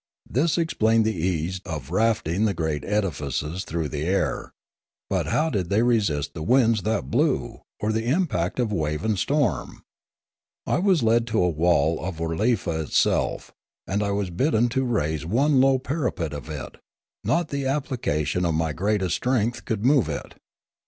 This ex plained the ease of rafting the great edifices through the air; but how did they resist the winds that blew, or the impact of wave and storm ? I was led to a wall of Oolorefa itself; and I was bidden to raise one low parapet of it ; riot the application of my greatest strength could move it.